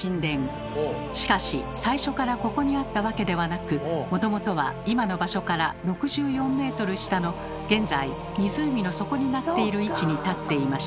しかし最初からここにあったわけではなくもともとは今の場所から６４ｍ下の現在湖の底になっている位置に立っていました。